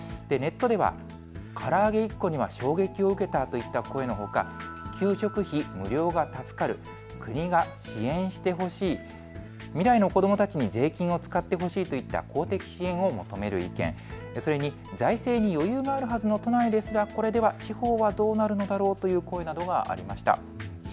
ネットではから揚げ１個には衝撃を受けたといった声のほか給食費無料は助かる国が支援してほしい、未来の子どもたちに税金を使ってほしいといった公的支援を求める意見、それに財政に余裕があるはずの都内ですら、これでは地方はどうなるのだろうという声などがありました。